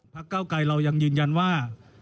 พักก้าวกลายเรายังยืนยันว่า